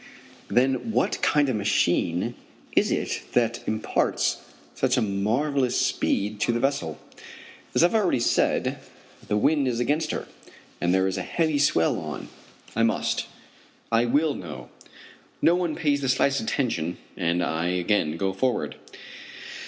Then, what kind of a machine is it that imparts such a marvellous speed to the vessel? As I have already said, the wind is against her, and there is a heavy swell on. I must I will know. No one pays the slightest attention, and I again go forward.